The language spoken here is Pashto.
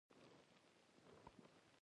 هغه بالاخره خپلو انګېزو ته ځواب و وایه.